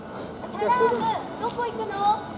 サラームどこ行くの？